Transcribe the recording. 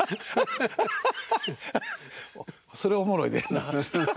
それおもろいでんな。